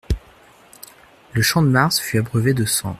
Le Champ-de-Mars fut abreuvé de sang.